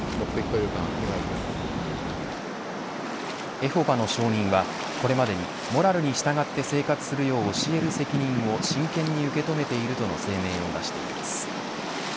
エホバの証人は、これまでにモラルに従って生活するよう教える責任を真剣に受け止めているとの声明を出しています。